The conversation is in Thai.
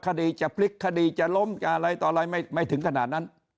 คดีจะพลิกคดีจะล้มจะอะไรต่ออะไรไม่ถึงขนาดนั้น